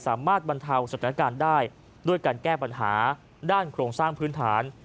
บรรเทาสถานการณ์ได้ด้วยการแก้ปัญหาด้านโครงสร้างพื้นฐาน